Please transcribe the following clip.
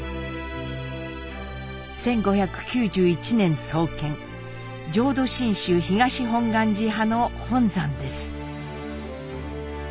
１５９１年創建浄土真宗東本願寺派の本山です。